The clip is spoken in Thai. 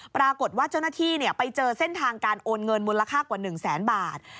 ปรากฏว่าเจ้าหน้าที่ไปเจอเส้นทางการโอนเงินมูลค่ากว่า๑แสนบาท